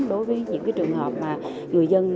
đối với những trường hợp mà người dân